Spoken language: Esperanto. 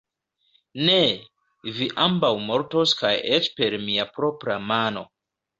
Ne! vi ambaŭ mortos kaj eĉ per mia propra mano.